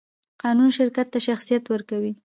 قانون شرکت ته شخصیت ورکوي.